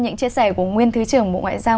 những chia sẻ của nguyên thứ trưởng bộ ngoại giao